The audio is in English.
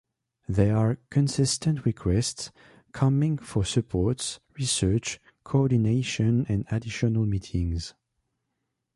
There are consistent requests cumming for support, research, coordination and additional meetings.